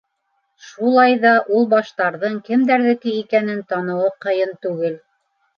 Шулай ҙа ул баштарҙың кемдәрҙеке икәнен таныуы ҡыйын түгел.